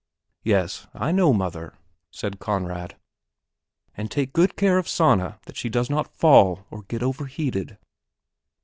"Yes, I know, mother," said Conrad. "And take good care of Sanna that she does not fall or get over heated."